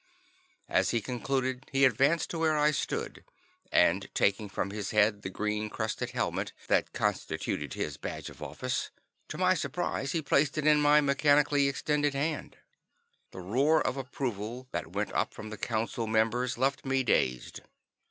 As he concluded, he advanced to where I stood, and taking from his head the green crested helmet that constituted his badge of office, to my surprise he placed it in my mechanically extended hand. The roar of approval that went up from the Council members left me dazed.